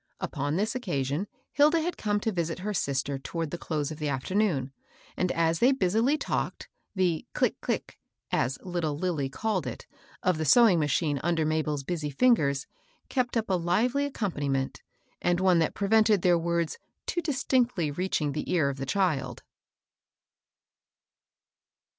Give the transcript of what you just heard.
Upon this occasion Hilda had come to visit her sister toward the close of the afternoon, and, as they busily talked, the " click, click," as little Lil ly called it, of the sewing machine under Mabel's busy fingers, kept up a lively accompaniment, and one that prevented their words too distinctly reach ing the ear of the child.